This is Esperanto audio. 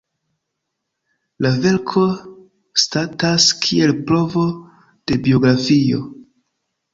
La verko statas kiel provo de biografio.